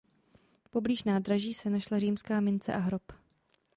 Poblíž nádraží se našla římská mince a hrob.